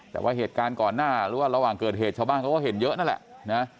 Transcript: แต่ว่าเหตุการณ์ก่อนหน้าหรือว่าระหว่างเกิดเหตุชาวบ้านเขาก็เห็นเยอะนั่นแหละนะ